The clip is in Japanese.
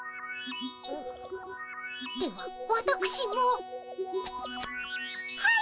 ではわたくしも。はむっ！